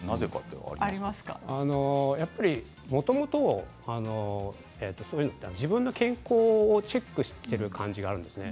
やっぱり、もともと自分の健康をチェックしている感じがあるんですね。